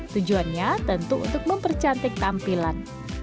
tujuannya tentu untuk mempercantik tampilan